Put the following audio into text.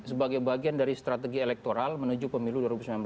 sebagai bagian dari strategi elektoral menuju pemilu dua ribu sembilan belas